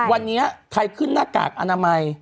วันนี้ใครขึ้นหน้ากากอนามัย